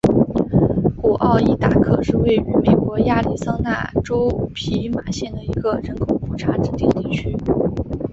古奥伊达克是位于美国亚利桑那州皮马县的一个人口普查指定地区。